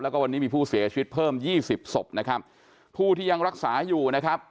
แล้วก็วันนี้มีผู้เสียชีวิตเพิ่มยี่สิบศพนะครับผู้ที่ยังรักษาอยู่นะครับ